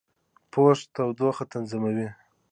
پوست تودوخه تنظیموي.